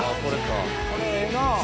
これええなあ！